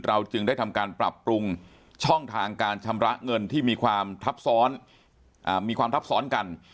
เราจึงได้ทำการปรับปรุงช่องทางการชำระเงินที่มีความทับซ้อนกัน